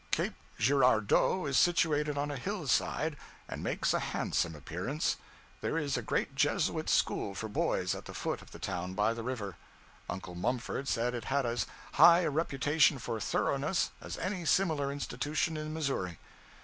Cape Girardeau is situated on a hillside, and makes a handsome appearance. There is a great Jesuit school for boys at the foot of the town by the river. Uncle Mumford said it had as high a reputation for thoroughness as any similar institution in Missouri!